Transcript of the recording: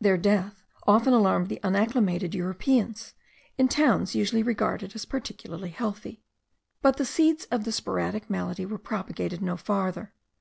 Their death often alarmed the unacclimated Europeans, in towns usually regarded as peculiarly healthy; but the seeds of the sporadic malady were propagated no farther.